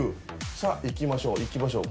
さぁいきましょういきましょう